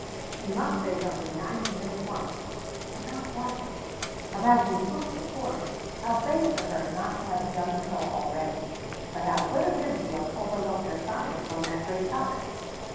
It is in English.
She must say something nice to him at once. About what? About his book, of course. How base of her not to have done so already! but how good of him to have overlooked her silence on that great topic!